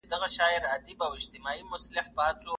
که سند تایید نه شي نو ځنډ رامنځته کیږي.